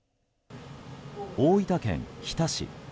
大分県日田市。